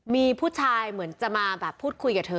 มีผู้ชายเหมือนจะมาแบบพูดคุยกับเธอ